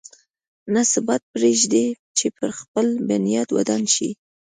نه ثبات پرېږدي چې پر خپل بنیاد ودان شي.